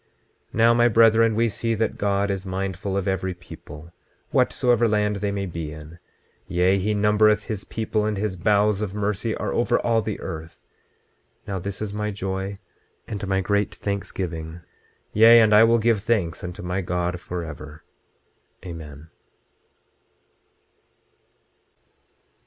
26:37 Now my brethren, we see that God is mindful of every people, whatsoever land they may be in; yea, he numbereth his people, and his bowels of mercy are over all the earth. Now this is my joy, and my great thanksgiving; yea, and I will give thanks unto my God forever. Amen.